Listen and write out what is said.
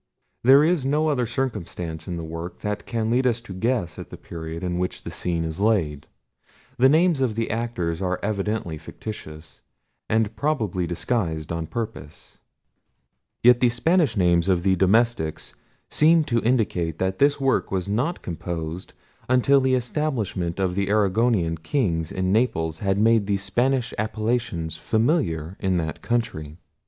There is no other circumstance in the work that can lead us to guess at the period in which the scene is laid: the names of the actors are evidently fictitious, and probably disguised on purpose: yet the Spanish names of the domestics seem to indicate that this work was not composed until the establishment of the Arragonian Kings in Naples had made Spanish appellations familiar in that country.